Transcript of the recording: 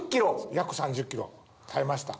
約３０ｋｇ耐えました。